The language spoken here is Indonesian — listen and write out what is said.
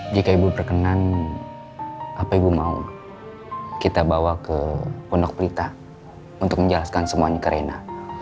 jika ibu berkenan apa ibu mau kita bawa ke pondok pelita untuk menjelaskan semuanya ke rena